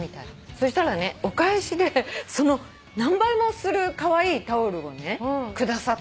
そしたらねお返しでその何倍もするカワイイタオルを下さったの。